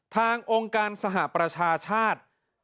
องค์การสหประชาชาติ